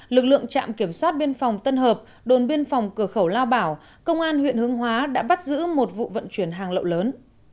lực lượng trạm kiểm soát biên phòng tân hợp đồn biên phòng cửa khẩu lao bảo công an huyện hương hóa đã bắt giữ một vụ vận chuyển hàng lậu lớn